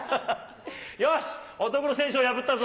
よしっ、乙黒選手を破ったぞ。